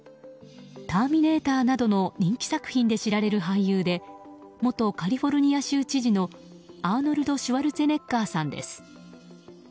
「ターミネーター」などの人気作品で知られる俳優で元カリフォルニア州知事のアーノルド・シュワルツェネッガーさんです。